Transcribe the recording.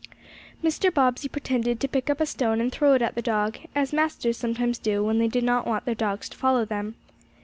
Mr. Bobbsey pretended to pick up a stone and throw it at the dog, as masters sometimes do when they do not want their dogs to follow them.